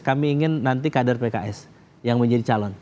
kami ingin nanti kader pks yang menjadi calon